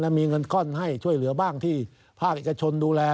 มีเงินก้อนให้ช่วยเหลือบ้างที่ภาคเอกชนดูแล